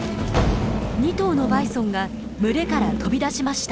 ２頭のバイソンが群れから飛び出しました。